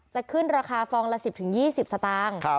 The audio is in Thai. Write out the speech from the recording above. จะขึ้นราคาฟองละ๑๐๒๐สตางค์